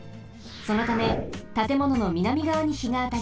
そのためたてものの南がわにひがあたります。